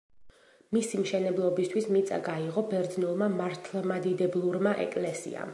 მისი მშენებლობისთვის მიწა გაიღო ბერძნულმა მართლმადიდებლურმა ეკლესიამ.